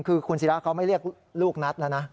คือคุณศิราเขาไม่เรียกลูกนัดแล้วนะ